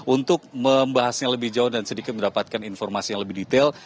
untuk membahasnya lebih jauh dan sedikit mendapatkan informasi yang lebih detail